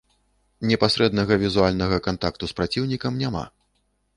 Непасрэднага візуальнага кантакту з праціўнікам няма.